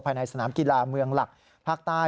ในสนามกีฬาเมืองหลักภาคใต้